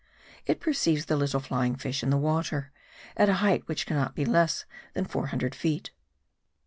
It perceives the little flying fish in the water, at a height which can not be less than four hundred feet.